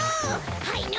はいの！